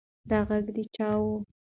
دا غږ د چا و؟